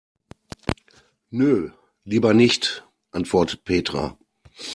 Nö, lieber nicht, antwortet Petra.